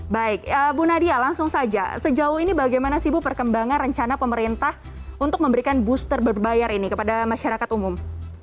baik bu nadia langsung saja sejauh ini bagaimana sih bu perkembangan rencana pemerintah untuk memberikan booster berbayar ini kepada masyarakat umum